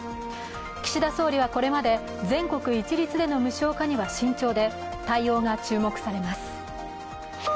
岸田総理はこれまで、全国一律での無償化には慎重で、対応が注目されます。